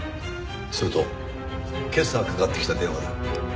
それと今朝かかってきた電話だ。